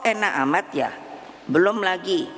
enak amat ya belum lagi